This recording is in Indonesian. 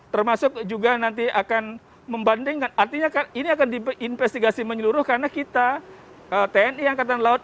termasuk juga nanti akan membandingkan artinya kan ini akan diinvestigasi menyeluruh karena kita tni angkatan laut